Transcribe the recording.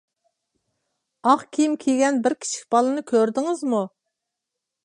ئاق كىيىم كىيگەن بىر كىچىك بالىنى كۆردىڭىزمۇ؟